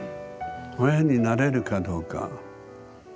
親になれるかどうか。